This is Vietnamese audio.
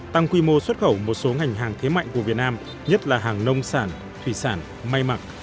tăng quy mô xuất khẩu một số ngành hàng thế mạnh của việt nam nhất là hàng nông sản thủy sản may mặc